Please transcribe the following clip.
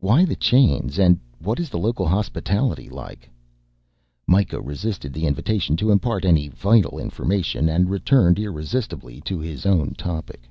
"Why the chains and what is the local hospitality like?" Mikah resisted the invitation to impart any vital information and returned irresistibly to his own topic.